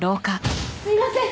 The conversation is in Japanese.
すいません。